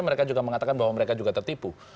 mereka juga mengatakan bahwa mereka juga tertipu